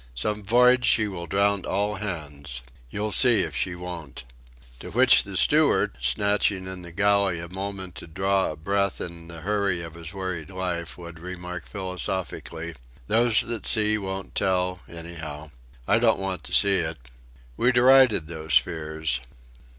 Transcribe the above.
Some voy'ge she will drown all hands! You'll see if she won't." To which the steward, snatching in the galley a moment to draw breath in the hurry of his worried life, would remark philosophically: "Those that see won't tell, anyhow. I don't want to see it." We derided those fears.